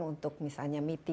untuk misalnya mitiga